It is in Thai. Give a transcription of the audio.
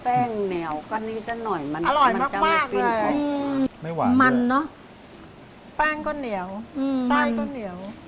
อันนี้จะหน่อยมันมันจะหยุดกินครับอืมมันเนอะปั้งก็เหนียวปั้งก็เหนียว